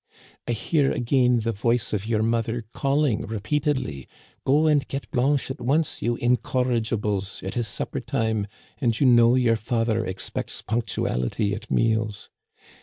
I hear again the voice of your mother calling repeat edly :* Go and get Blanche at once, you incorrigibles ; it is supper time, and you know your father expects punctuality at meals.'